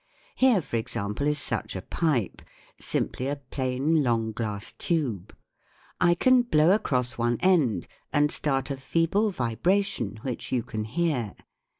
Here, for example, is such a pipe simply a plain long glass tube. I can blow across one end and start a feeble vibration which you can hear.